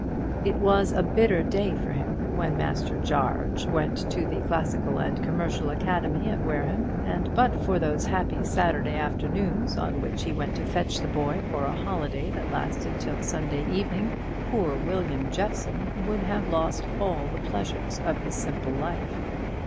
It was a bitter day for him when Master Jarge went to the Classical and Commercial Academy at Wareham; and but for those happy Saturday afternoons on which he went to fetch the boy for a holiday that lasted till Sunday evening, poor William Jeffson would have lost all the pleasures of his simple life.